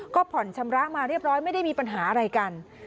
ก็ผ่อนชำระมาเรียบร้อยไม่ได้มีปัญหาอะไรกัน